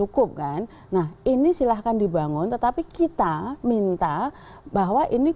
kalau masyarakat dari